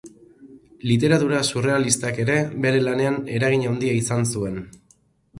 Literatura surrealistak ere bere lanean eragin handia izan zuen.